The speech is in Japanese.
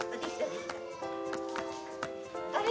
あれ？